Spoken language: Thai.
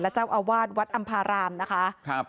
และเจ้าอาวาสวัดอำภารามนะคะ